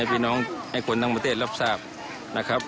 พี่น้องให้คนทั้งประเทศรับทราบ